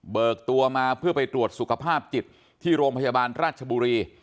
กตัวมาเพื่อไปตรวจสุขภาพจิตที่โรงพยาบาลราชบุรี